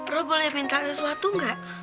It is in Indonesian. lo boleh minta sesuatu gak